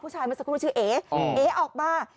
ผู้ชายมันสักครู่ชื่อเอ๊เอ๊ออกมา